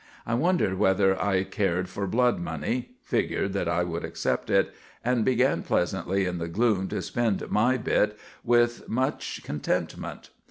I wondered whether I cared for blood money; figured that I would accept it, and began pleasantly in the gloom to spend my "bit" with much contentment.